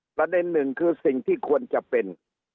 ประเด็นหนึ่งคือสิ่งที่ควรจะเป็น